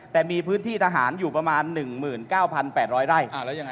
แต่มีพื้นที่ทหารอยู่ประมาณ๑๙๘๐๐ไร่